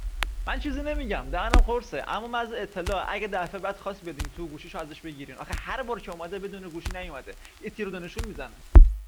من چیزی نمیگم. دهنم قرصه. اما محض اطلاع اگه دفعه بعد خواست بیاد این تو، گوشیشو ازش بگیرین. آخه هر بار که اومده بدون گوشی نیومده، یه تیرو دونشون میزنه.